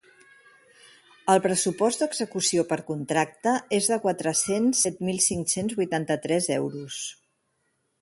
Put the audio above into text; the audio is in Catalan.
El pressupost d’execució per contracta és de quatre-cents set mil cinc-cents vuitanta-tres euros.